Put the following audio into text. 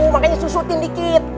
makanya susutin dikit